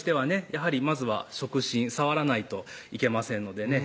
やはりまずは触診触らないといけませんのでね